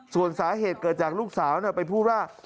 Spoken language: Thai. ส่วนสาเหตุเกิดจากลูกสาวไปพูดว่า